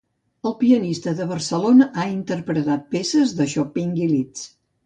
El pianista de Barcelona ha interpretat peces de Chopin i Liszt.